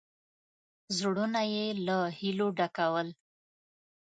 زړونه یې له هیلو ډکول.